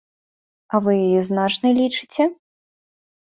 А вы яе значнай лічыце?